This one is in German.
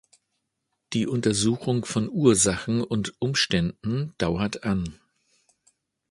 Die Untersuchung von Ursachen und Umständen dauert an.